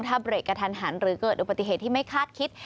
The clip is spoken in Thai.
ถ้าเบรกกระทันหันหรือเกิดอุบัติเหตุที่ไม่คาดคิด